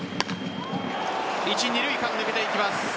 一・二塁間、抜けていきます。